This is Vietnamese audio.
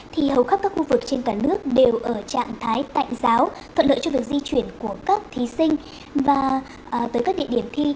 thì hầu khắp các khu vực trên cả nước đều ở trạng thái tạnh giáo thuận lợi cho việc di chuyển của các thí sinh và tới các địa điểm thi